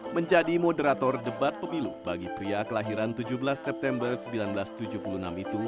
menjadi moderator debat pemilu bagi pria kelahiran tujuh belas september seribu sembilan ratus tujuh puluh enam itu